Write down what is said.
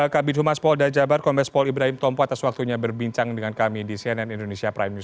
kami dhumas paul dajabar kompes paul ibrahim tompo atas waktunya berbincang dengan kami di cnn indonesia prime news